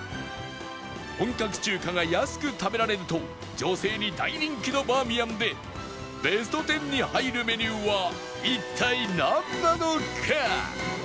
本格中華が安く食べられると女性に大人気のバーミヤンでベスト１０に入るメニューは一体なんなのか？